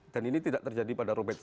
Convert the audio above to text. dan ini tidak terjadi pada robert seng